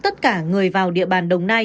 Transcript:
tất cả người vào địa bàn đồng nai